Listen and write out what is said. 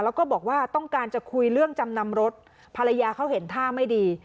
แล้วก็บอกว่าต้องการจะคุยเรื่องจำนำรถภรรยาเขาเห็นท่าไม่ดี